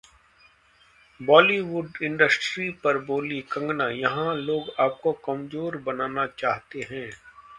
Bollywood industry पर बोलीं कंगना- यहां लोग आपको कमजोर बनाना चाहते हैं